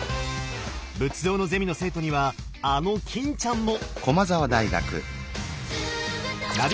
仏像のゼミの生徒にはあの欽ちゃんも！